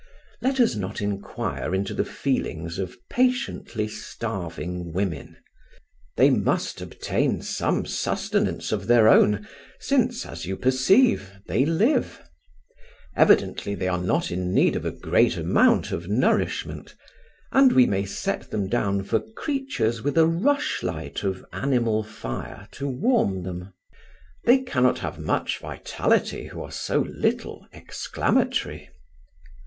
Let us not inquire into the feelings of patiently starving women; they must obtain some sustenance of their own, since, as you perceive, they live; evidently they are not in need of a great amount of nourishment; and we may set them down for creatures with a rush light of animal fire to warm them. They cannot have much vitality who are so little exclamatory.